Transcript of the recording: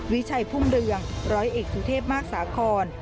วิชัยพุ่มเรืองร้อยเอกสุเทพมากสาคร